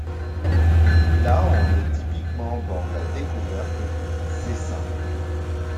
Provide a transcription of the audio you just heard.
Là on est typiquement dans la découverte du « c’est ÇA ».